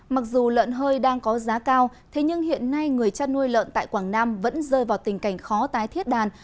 mặc dù lợn hơi đang có giá cao thế nhưng hiện nay người chăn nuôi lợn tại quảng nam vẫn rơi vào tình cảnh khó tái thiết đàn